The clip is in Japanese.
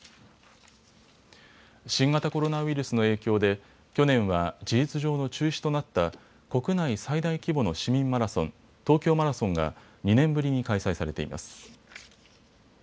新型コロナウイルスの影響で去年は事実上の中止となった国内最大規模の市民マラソン、東京マラソンが２年ぶりに開催されています。